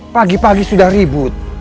pagi pagi sudah ribut